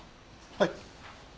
はい。